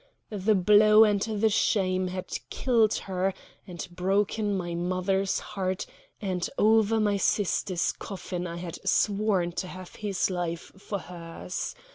The blow and the shame had killed her and broken my mother's heart; and over my sister's coffin I had sworn to have his life for hers.